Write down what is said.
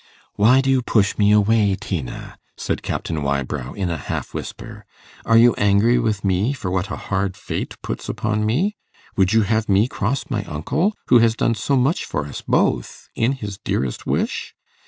'Why do you push me away, Tina?' said Captain Wybrow in a half whisper; 'are you angry with me for what a hard fate puts upon me? Would you have me cross my uncle who has done so much for us both in his dearest wish?